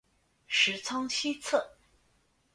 十仓西侧。